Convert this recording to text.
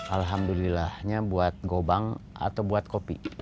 alhamdulillahnya buat gobang atau buat kopi